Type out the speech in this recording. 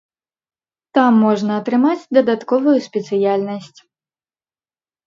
Там можна атрымаць дадатковую спецыяльнасць.